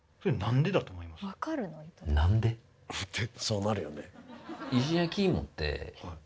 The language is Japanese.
そうなるよね。